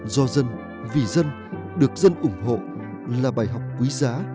do dân vì dân được dân ủng hộ là bài học quý giá